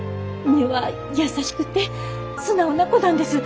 根は優しくて素直な子なんです。